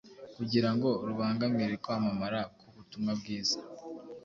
kugira ngo rubangamire kwamamara k’ubutumwa bwiza